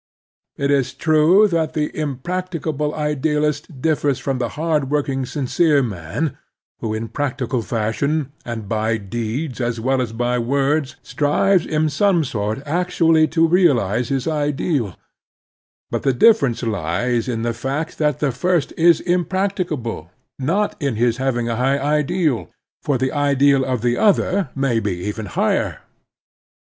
It is true that the impracticable idealist differs from the hard working, sincere man who in practical fashion, and by deeds as well as by words, strives in some sort actually to realize his ideal ; but the difference lies in the fact that the first is imprac ticable, not in his having a high ideal, for the ideal of the other may be even higher.